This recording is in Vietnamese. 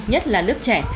nhất là lớp trẻ